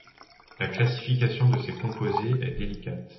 La classification de ces composés est délicate.